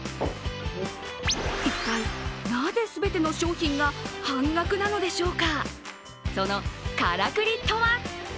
一体なぜ全ての商品が半額なのでしょうか。